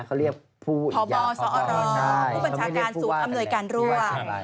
เขาเรียกผู้พบสอรผู้บัญชาการศูนย์อำนวยการร่วม